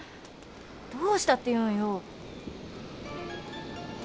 どうしたっていうんよ？